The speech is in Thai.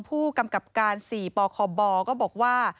ผู้กำกับการ๔ปคบก็บอกว่า